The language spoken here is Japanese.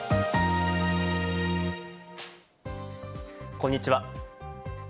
こんにちは。